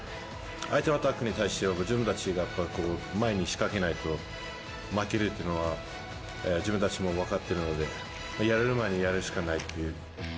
相手のアタックに対して、自分たちが前に仕掛けないと、負けるというのは自分たちも分かっているので、やられる前にやるしかないという。